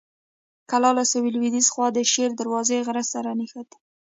کلا له سویل لویديځې خوا د شیر دروازې غر سره نښتې.